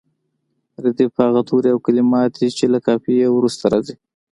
ردیف هغه توري او کلمات دي چې له قافیې وروسته راځي.